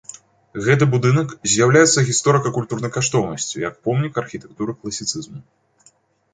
Гэты будынак з'яўляецца гісторыка-культурнай каштоўнасцю як помнік архітэктуры класіцызму.